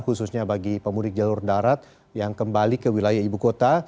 khususnya bagi pemudik jalur darat yang kembali ke wilayah ibu kota